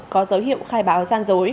có dấu hiệu khai báo gian giả